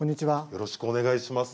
よろしくお願いします。